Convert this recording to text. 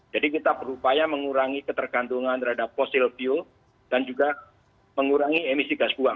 jadi kita berupaya mengurangi ketergantungan terhadap fosil bio dan juga mengurangi emisi gas buang